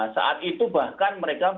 saat itu bahkan mereka